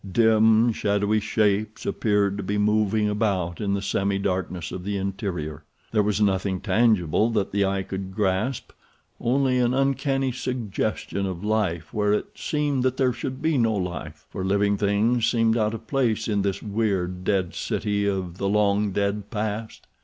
Dim, shadowy shapes appeared to be moving about in the semi darkness of the interior. There was nothing tangible that the eye could grasp—only an uncanny suggestion of life where it seemed that there should be no life, for living things seemed out of place in this weird, dead city of the long dead past.